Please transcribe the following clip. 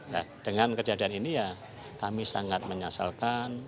ya dengan kejadian ini ya kami sangat menyesalkan